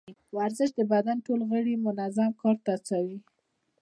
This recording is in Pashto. ورزش د بدن ټول غړي منظم کار ته هڅوي.